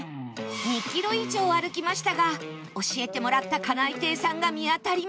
２キロ以上歩きましたが教えてもらったカナイテイさんが見当たりません